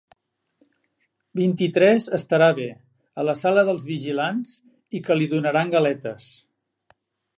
Vint-i-tres estarà bé, a la sala dels vigilants, i que li donaran galetes.